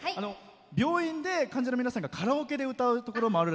病院で患者の皆さんがカラオケで歌うこともあると。